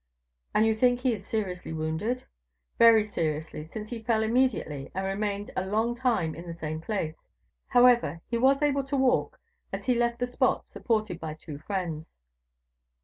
"And you think he is seriously wounded?" "Very seriously, since he fell immediately, and remained a long time in the same place; however, he was able to walk, as he left the spot, supported by two friends."